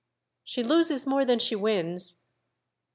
"She loses more than she wins."